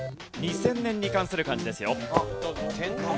２０００年に関する漢字ですよ。